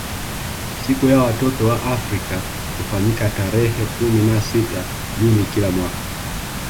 Siku ya mtoto wa Afrika hufanyika tarehe kumi na sita juni kila mwaka